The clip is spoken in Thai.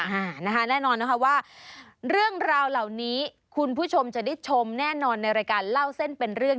อ่านะคะแน่นอนนะคะว่าเรื่องราวเหล่านี้คุณผู้ชมจะได้ชมแน่นอนในรายการเล่าเส้นเป็นเรื่อง